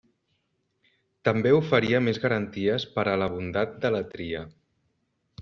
També oferia més garanties per a la bondat de la tria.